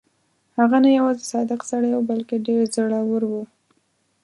هغه نه یوازې صادق سړی وو بلکې ډېر زړه ور وو.